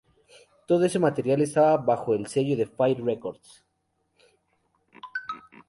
Todo este material estaba bajo el sello Fire Records.